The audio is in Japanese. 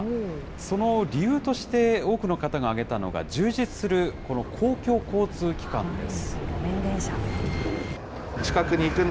その理由として多くの方が挙げたのが、充実するこの公共交通機関です。